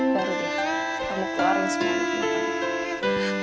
baru deh kamu keluarin semua yang mungkin ada